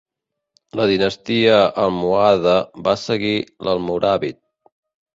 La dinastia almohade va seguir l'almoràvit.